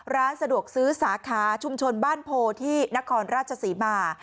ร้านสะดวกซื้อสาขาชุมชนบ้านโพที่นครราชศรีมา